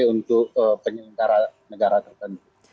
untuk penyelenggara negara tertentu